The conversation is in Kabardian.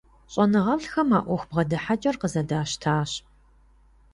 ЩӀэныгъэлӀхэм а Ӏуэху бгъэдыхьэкӀэр къызэдащтащ.